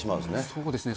そうですね。